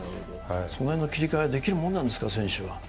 その辺の切り替えは選手はできるものなんですか？